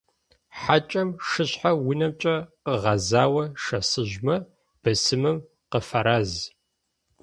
Хьакӏэм шышъхьэр унэмкӏэ къыгъазэу шэсыжьмэ, бысымым къыфэраз.